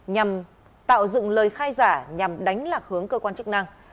nhằm tạo dựng lời khai giả nhằm đánh lạc hướng cơ quan chức năng